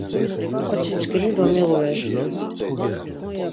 K̆oçiçkini domiğurez.